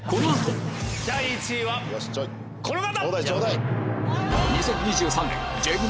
第１位はこの方！